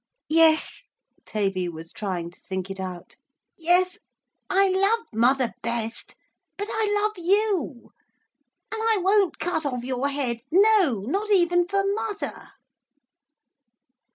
'Yes.' Tavy was trying to think it out. 'Yes, I love mother best. But I love you. And I won't cut off your head, no, not even for mother.'